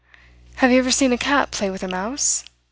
Have you ever seen a cat play with a mouse?